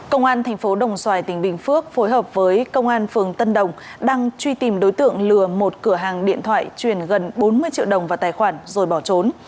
công an thành phố đồng xoài tỉnh bình phước phối hợp với công an phường tân đồng đang truy tìm đối tượng lừa một cửa hàng điện thoại chuyển gần bốn mươi triệu đồng vào tài khoản rồi bỏ trốn